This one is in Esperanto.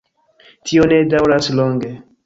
Tio ne daŭras longe.